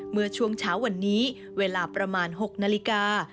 เมื่อช่วงเช้าวันนี้เวลาประมาณ๖นาฬิกา